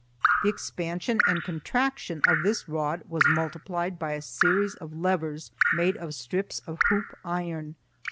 The expansion and contraction of this rod was multiplied by a series of levers made of strips of hoop iron.